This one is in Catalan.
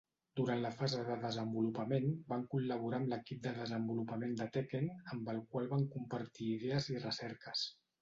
Durant la fase de desenvolupament, van col·laborar amb l'equip de desenvolupament de "Tekken", amb el qual van compartir idees i recerques.